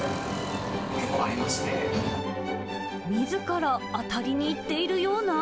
みずから当たりに行っているような。